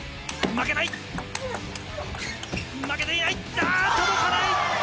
負けていない、あー、届かない。